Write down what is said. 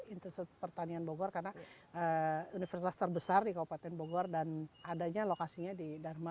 instruk pertanian bogor karena universitas terbesar di kabupaten bogor dan adanya lokasinya di dharma